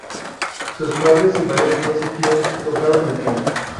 Sus padres, y varias tías y tíos, tocaban el piano.